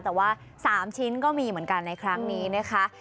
แต่ว่า๓ชิ้นก็มีเหมือนกันในครั้งนี้นะคะ